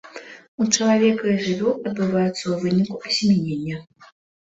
У чалавека і жывёл адбываецца ў выніку асемянення.